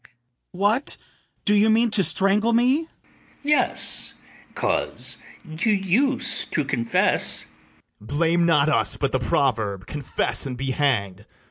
What, do you mean to strangle me? ITHAMORE. Yes, 'cause you use to confess. BARABAS. Blame not us, but the proverb, Confess and be hanged.